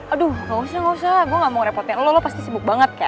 aduh gak usah gak usah gue gak mau ngerepotin lo lo pasti sibuk banget kan